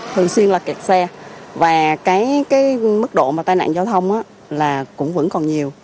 thường xuyên là kẹt xe và cái mức độ mà tai nạn giao thông là cũng vẫn còn nhiều